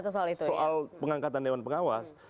soal pengangkatan dewan pengawas